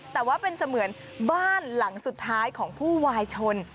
แต่ว่าเป็นเสมือนบ้านหลังสุดท้ายของผู้วายชน